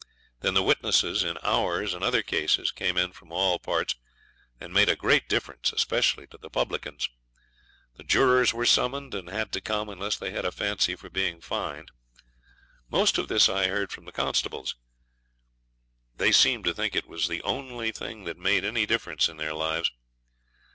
Then the witnesses in ours and other cases came in from all parts, and made a great difference, especially to the publicans. The jurors were summoned, and had to come, unless they had a fancy for being fined. Most of this I heard from the constables; they seemed to think it was the only thing that made any difference in their lives.